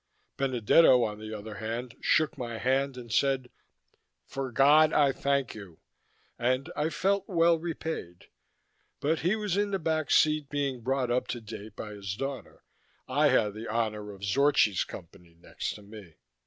Benedetto, on the other hand, shook my hand and said: "For God, I thank you," and I felt well repaid. But he was in the back seat being brought up to date by his daughter; I had the honor of Zorchi's company next to me....